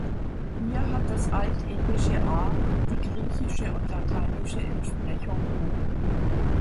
Hier hat das altindische "a" die griechische und lateinische Entsprechung "o".